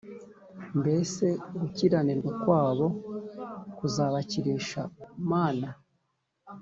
Mbese gukiranirwa kwabo kuzabakirisha Mana